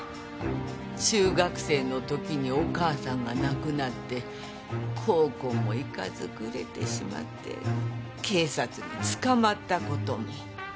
中学生の時にお母さんが亡くなって高校も行かずグレてしまって警察につかまった事も。